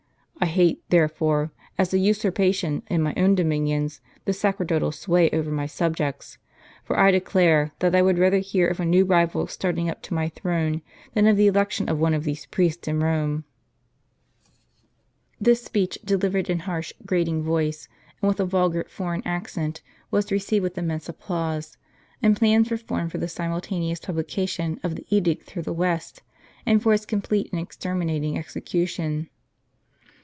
I hate, therefore, as a usurpation in my dominions, this sacerdotal sway over my subjects. For I declare, that I would rather hear of a new rival starting up to my throne, than of the election of one of these priests in Rome." These are the very words of Decius, on the election of St. Cornelius to the w This speech, delivered in a harsh grating voice, and with a vulgar foreign accent, was received with immense applause ; and plans were formed for the simultaneous publication of the Edict through the West, and for its complete and exterminat ing execution.